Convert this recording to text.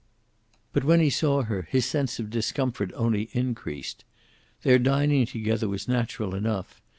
But when he saw her, his sense of discomfort only increased. Their dining together was natural enough.